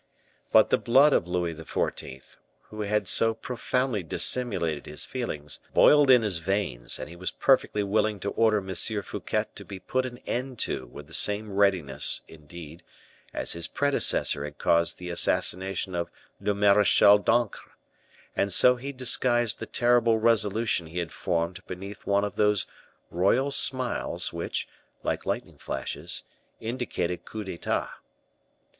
But the blood of Louis XIV., who had so profoundly dissimulated his feelings, boiled in his veins; and he was perfectly willing to order M. Fouquet to be put an end to with the same readiness, indeed, as his predecessor had caused the assassination of le Marechal d'Ancre; and so he disguised the terrible resolution he had formed beneath one of those royal smiles which, like lightning flashes, indicated coups d'etat.